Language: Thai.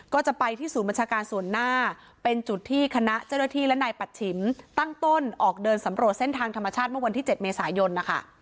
ก็จะไปที่ศูนย์บัญชาการส่วนหน้าเป็นจุดที่คณะเจ้าหน้าที่และนายปัชฉิมตั้งต้นออกเดินสำรวจเส้นทางธรรมชาติเมื่อวันที่๗เมษายนนะคะ